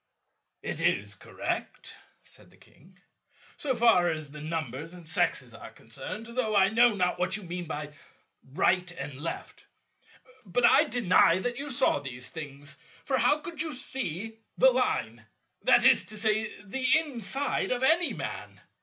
"It is correct," said the King, "so far as the numbers and sexes are concerned, though I know not what you mean by 'right' and 'left.' But I deny that you saw these things. For how could you see the Line, that is to say the inside, of any Man?